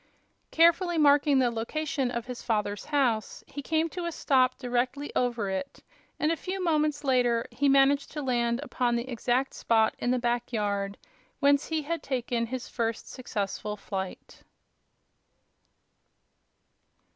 Carefully marking the location of his father's house, he came to a stop directly over it, and a few moments later he managed to land upon the exact spot in the back yard whence he had taken his first successful flight.